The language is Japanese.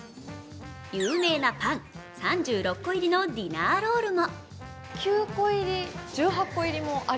有名なパン、３６個入りのディナーロールも。